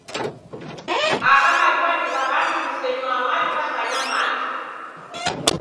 Agha mariwa ni gha w'andu w'isenywaa mariw'a gha nyamandu.